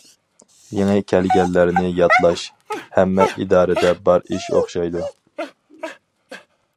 يېڭى كەلگەنلەرنى ياتلاش ھەممە ئىدارىدە بار ئىش ئوخشايدۇ.